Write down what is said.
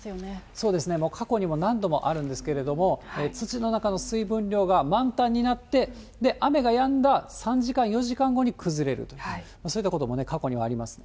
そうですね、過去にも何度もあるんですけれども、土の中の水分量が満タンになって、雨がやんだ３時間、４時間後に崩れると、そういったことも過去にはあります。